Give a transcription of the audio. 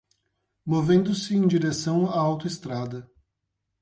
Movendo-se em direção à autoestrada